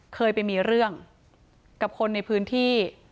เคยไปมีเรื่องกับคนในพื้นที่